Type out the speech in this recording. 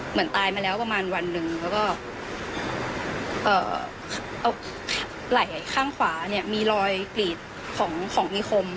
เหมือนตายมาแล้วประมาณวันหนึ่ง